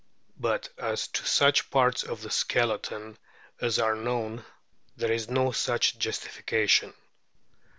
But as to such parts of the skeleton as are known there is no such justification.